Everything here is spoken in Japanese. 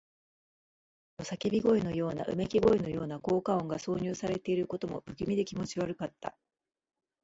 ところどころ叫び声のような、うめき声のような効果音が挿入されていることも、不気味で気持ち悪かった。